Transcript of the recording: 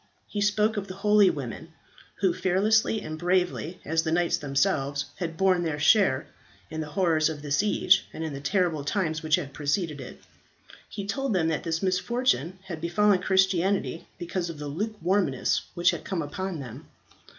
He spoke of the holy women, who, fearlessly and bravely, as the knights themselves, had borne their share in the horrors of the siege and in the terrible times which had preceded it. He told them that this misfortune had befallen Christianity because of the lukewarmness which had come upon them.